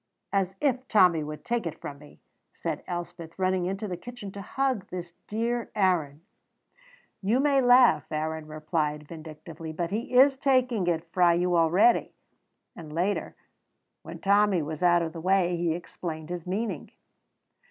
"As if Tommy would take it from me!" said Elspeth, running into the kitchen to hug this dear Aaron. "You may laugh," Aaron replied vindictively, "but he is taking it frae you already"; and later, when Tommy was out of the way, he explained his meaning.